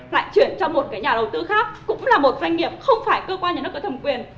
lại chuyển cho một cái nhà đầu tư khác cũng là một doanh nghiệp không phải cơ quan nhà nước có thẩm quyền